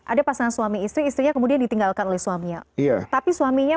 ada pasangan suami istri istrinya kemudian ditinggalkan oleh suaminya tapi suaminya